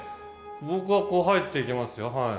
僕はこう入っていきますよはい。